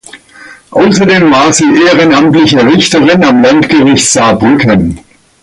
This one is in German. Außerdem war sie ehrenamtliche Richterin am Landgericht Saarbrücken.